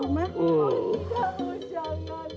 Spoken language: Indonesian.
istrinya pak daddy